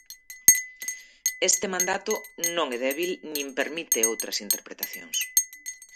Este mandato non é débil nin permite outras interpretacións.